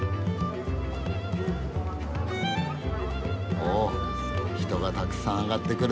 お人がたくさん上がってくる。